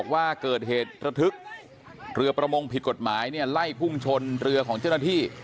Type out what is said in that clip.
ว่าเกิดเหตุระทึกเรือประมงผิดกฎหมายเนี่ยไล่พุ่งชนเรือของเจ้าหน้าที่